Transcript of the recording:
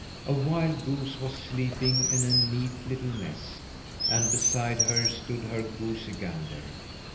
A wild goose was sleeping in a neat little nest, and beside her stood her goosey gander.